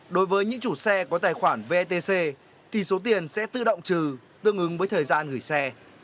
đối với những chủ xe có tài khoản vetc thì số tiền sẽ tự động trừ tương ứng với thời gian gửi xe